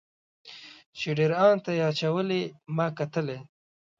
چې ډیر ان ته یې اچولې ما کتلی.